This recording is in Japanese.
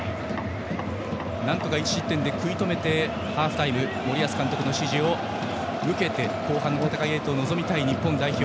なんとか１失点で食い止めてハーフタイムに森保監督の指示を受けて後半の戦いへと臨みたい日本代表。